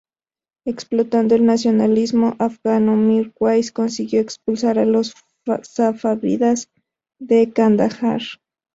Explotando el nacionalismo afgano, Mir Wais consiguió expulsar a los safávidas de Kandahar.